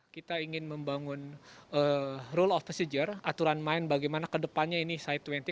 kita ingin membangun rule of procedure aturan main bagaimana kedepannya ini citwini